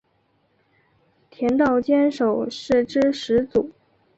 田道间守是之始祖。